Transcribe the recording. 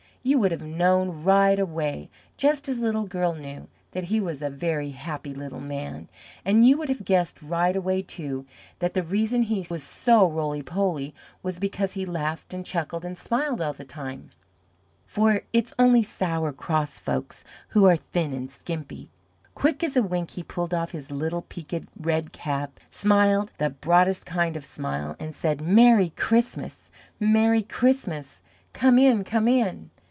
You would have known right away, just as Little Girl knew, that he was a very happy little man, and you would have guessed right away, too, that the reason he was so roly poly was because he laughed and chuckled and smiled all the time for it's only sour, cross folks who are thin and skimpy. Quick as a wink, he pulled off his little peaked red cap, smiled the broadest kind of a smile, and said, "Merry Christmas! Merry Christmas! Come in! Come in!"